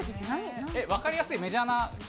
分かりやすいメジャーな？